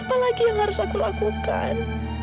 apa lagi yang harus aku lakukan